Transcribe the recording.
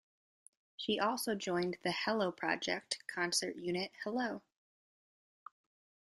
She also joined the Hello Project concert unit, Hello!